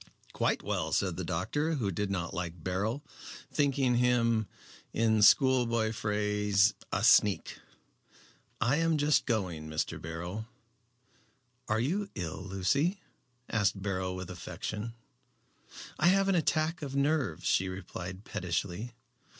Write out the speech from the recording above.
"Quite well," said the doctor, who did not like Beryl, thinking him, in schoolboy phrase, "a sneak." "I am just going, Mr. Beryl." "Are you ill, Lucy?" asked Beryl, with affection. "I have an attack of nerves," she replied pettishly.